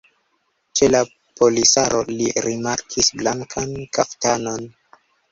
Ĉe la palisaro li rimarkis blankan kaftanon.